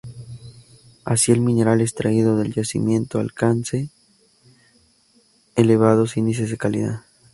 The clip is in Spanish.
Así el mineral extraído del yacimiento alcance elevados índices de calidad.